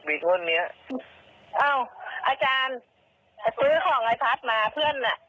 มีท่อนเนี้ยเอ้าอาจารย์ซื้อของไอ้พัดมาเพื่อนอ่ะ